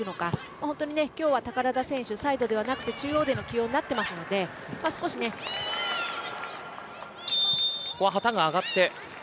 今日は本当に宝田選手、サイドではなくて中央での起用になっているのでここは旗が上がって。